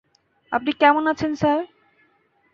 আপনি কেমন আছেন, স্যার?